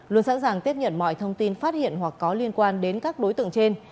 luôn sẵn sàng tiếp nhận mọi thông tin phát hiện hoặc có liên quan đến các đối tượng trên